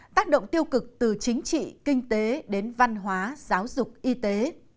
tác động tiêu cực từ chính trị kinh tế đến văn hóa giáo dục y tế